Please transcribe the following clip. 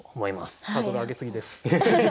ハードル上げ過ぎです。